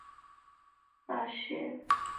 瓜拉雪兰莪县的县城和县府皆为瓜拉雪兰莪。